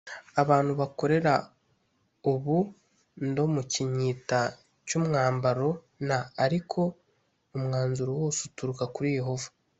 Abantu bakorera ubu ndo mu kinyita cy umwambaro n ariko umwanzuro wose uturuka kuri Yehova